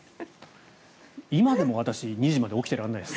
今でも私、２時まで起きていられないです。